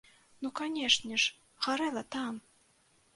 Ну, канешне ж, гарэла там!